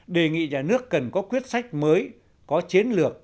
đề nghị nhà nước cần có quyết sách mới có chiến lược